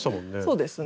そうですね。